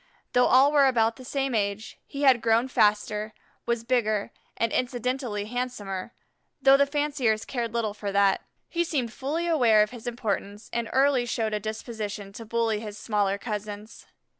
Though all were about the same age, he had grown faster, was bigger, and incidentally handsomer, though the fanciers cared little for that. He seemed fully aware of his importance, and early showed a disposition to bully his smaller cousins.